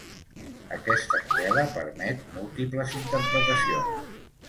Aquesta novel·la permet múltiples interpretacions.